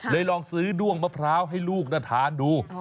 ลองซื้อด้วงมะพร้าวให้ลูกน่าทานดู